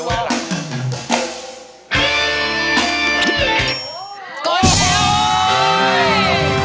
ใจ